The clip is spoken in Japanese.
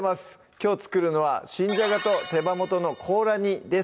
きょう作るのは「新じゃがと手羽元のコーラ煮」です